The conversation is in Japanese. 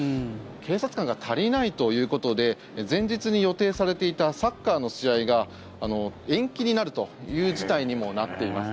警察官が足りないということで前日に予定されていたサッカーの試合が延期になるという事態にもなっています。